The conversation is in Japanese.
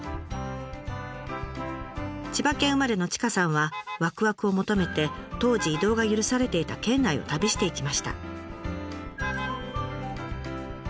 千葉県生まれの千賀さんはワクワクを求めて当時移動が許されていた県内を旅していきました。